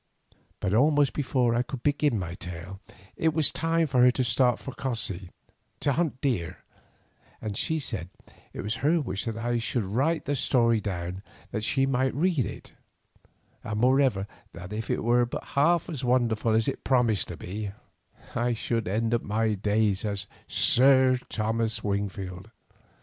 But almost before I could begin my tale, it was time for her to start for Cossey to hunt the deer, and she said it was her wish that I should write the story down that she might read it, and moreover that if it were but half as wonderful as it promised to be, I should end my days as Sir Thomas Wingfield.